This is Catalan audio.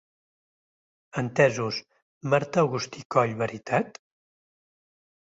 Entesos, Marta Agustí Coll, veritat?